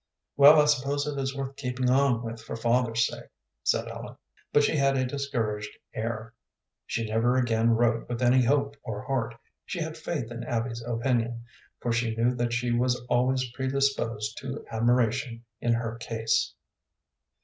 "Well, I suppose it is worth keeping on with for father's sake," said Ellen; but she had a discouraged air. She never again wrote with any hope or heart; she had faith in Abby's opinion, for she knew that she was always predisposed to admiration in her case.